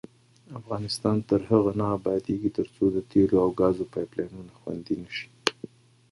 افغانستان تر هغو نه ابادیږي، ترڅو د تیلو او ګازو پایپ لاینونه خوندي نشي.